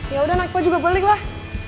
ya udah nak gue juga balik lah